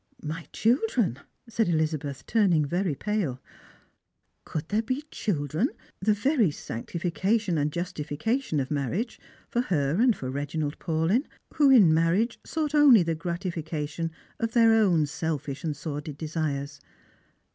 "My children!" said Elizabeth, turning very pale. Could there be children, the very sanctiflcation and justiflcation of marriage, for her and for Reginald Paulyu, who in marriage sought only the gratification of their own selfish and sordid desires